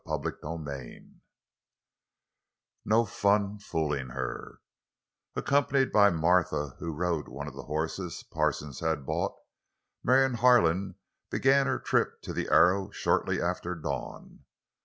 CHAPTER XI—"NO FUN FOOLING HER" Accompanied by Martha, who rode one of the horses Parsons had bought, Marion Harlan began her trip to the Arrow shortly after dawn.